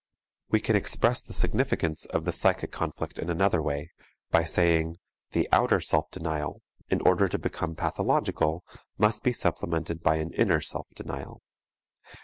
We can express the significance of the psychic conflict in another way, by saying: the outer self denial, in order to become pathological, must be supplemented by an inner self denial.